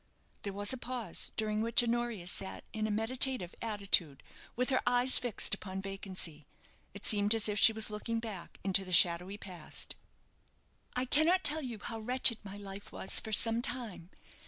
'" There was a pause, during which Honoria sat in a meditative attitude, with her eyes fixed upon vacancy. It seemed as if she was looking back into the shadowy past. "I cannot tell you how wretched my life was for some time.